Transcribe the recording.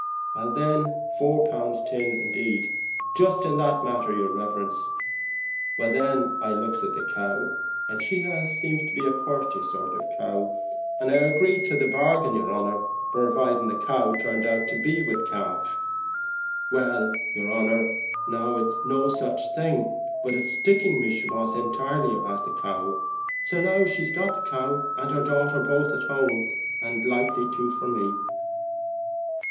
well then, four pound tin indeed,' jist in that manner, yer riverence. Well then I looks at the cow, and she seemed a purty sort of a cow, and I agreed to the bargain, yer honer, purviding the cow turned out to be with calf. Well, yer honer, now it's no such thing, but it's sticking me she was entirely about, the cow: so now she got the cow and her daughter both at home; and likely to for me."